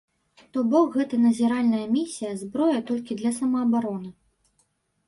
То бок гэта назіральная місія, зброя толькі для самаабароны.